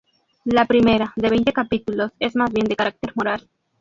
La primera, de veinte capítulos, es más bien de carácter moral.